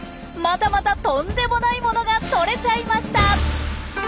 またまたとんでもないものが撮れちゃいました！